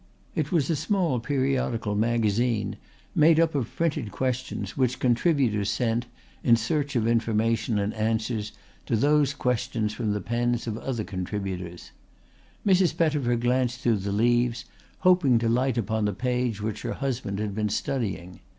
It was a small periodical magazine made up of printed questions which contributors sent in search of information and answers to those questions from the pens of other contributors. Mrs. Pettifer glanced through the leaves, hoping to light upon the page which her husband had been studying.